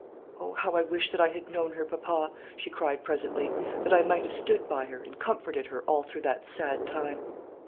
"Oh, how I wish that I had known her, papa," she cried presently, "that I might have stood by her, and comforted her, all through that sad time!"